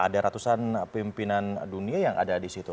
ada ratusan pimpinan dunia yang ada di situ